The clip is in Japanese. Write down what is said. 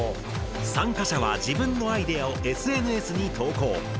参加者は自分のアイデアをＳＮＳに投稿。